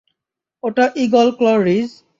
ওটা ঈগল ক্ল রীজ।